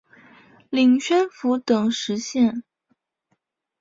领宣府等十县。